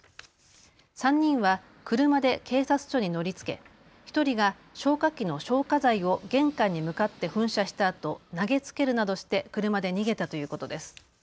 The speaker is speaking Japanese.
３人は車で警察署に乗りつけ１人が消火器の消火剤を玄関に向かって噴射したあと投げつけるなどして車で逃げたということです。